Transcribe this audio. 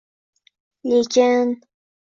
Lekin...